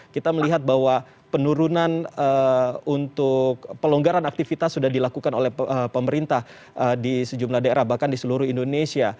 kita melihat bahwa penurunan untuk pelonggaran aktivitas sudah dilakukan oleh pemerintah di sejumlah daerah bahkan di seluruh indonesia